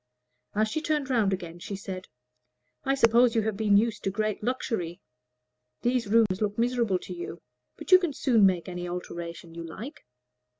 As she turned round again she said, "I suppose you have been used to great luxury; these rooms look miserable to you, but you can soon make any alterations you like."